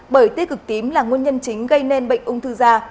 bởi tích cực tím là nguồn nhân chính gây nên bệnh ung thư da